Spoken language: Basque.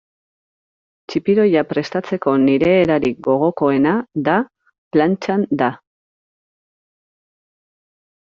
Txipiroia prestatzeko nire erarik gogokoena da plantxan da.